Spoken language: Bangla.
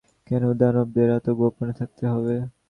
কেন দানবদের এত গোপনে থাকতে হবে?